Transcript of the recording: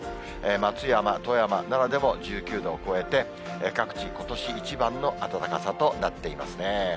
松山、富山、奈良でも１９度を超えて、各地、ことし一番の暖かさとなっていますね。